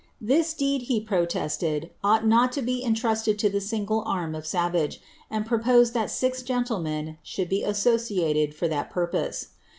This deed, he protested, ought not to be entrusted to the single arm of Savage, and proposed tltai ail gentlemen should be associated for that purpose.'